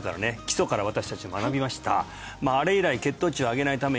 基礎から私達学びました